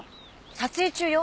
撮影中よ。